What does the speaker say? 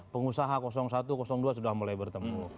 pengusaha satu dua sudah mulai bertemu